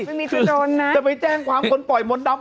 ไม่มีที่โดนนะจะไปแจ้งความคนปล่อยมดดำ